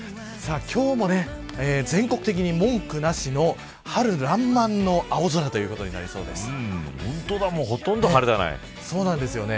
今日も、全国的に文句なしの春らんまんの青空ということになほとんど晴れだね。